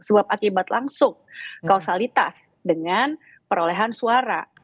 sebab akibat langsung kausalitas dengan perolehan suara